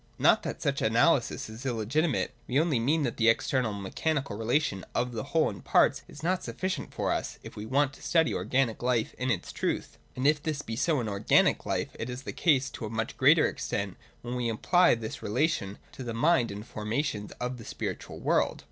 Not that such analysis is illegitimate : we only mean that the external and mechanical relation of whole and parts is not sufficient for us, if we want to study organic life in its truth. And if this be so in organic life, it is the case to a much greater extent when we apply this relation to the mind and the formations of the spiritual world.